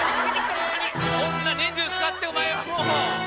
こんな人数使ってお前はもーう！